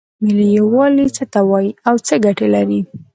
ملي یووالی څه ته وایې او څه ګټې لري؟